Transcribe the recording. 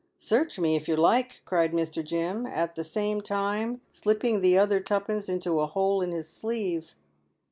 " Search me, if you like," cried Mr. Jim, at the same time slipping the other twopence into a hole in his sleeve.